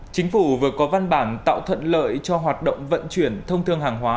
chính phủ vừa có văn bản tạo thuận lợi cho hoạt động vận chuyển thông thương hàng hóa